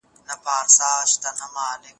که اوبه وي نو برس نه کلکیږي.